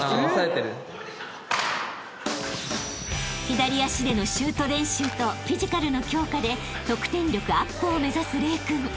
［左足でのシュート練習とフィジカルの強化で得点力アップを目指す玲君］